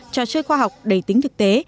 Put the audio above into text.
trò chơi khoa học đầy tính thực tế